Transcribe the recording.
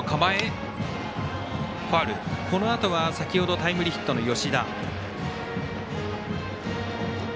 このあとは先ほどタイムリーヒットの吉田。